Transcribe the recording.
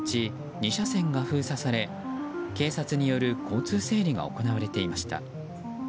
２車線が封鎖され警察による交通整理が行われていました。